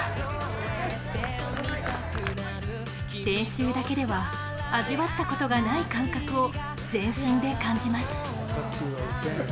練習だけでは味わったことがない感覚を全身で感じます。